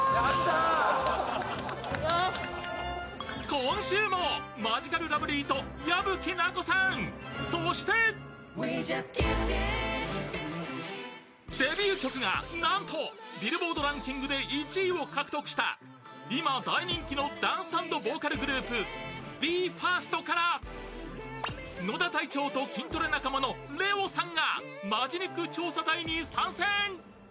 今週もマヂカルラブリーと矢吹奈子さん、そしてデビュー曲がなんとビルボードランキングで１位を獲得した今、大人気のダンス＆ボーカルグループＢＥ：ＦＩＲＳＴから野田隊長と筋トレ仲間のＬＥＯさんが本気肉探検隊に参戦。